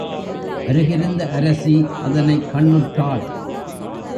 அருகிருந்த அரசி அதனைக் கண்ணுற்றாள்.